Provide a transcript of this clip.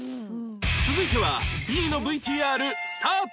続いては Ｂ の ＶＴＲ スタート